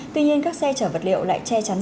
tuy nhiên các xe chở vật liệu lại che chắn